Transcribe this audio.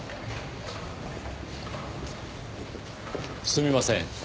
すみません。